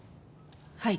はい。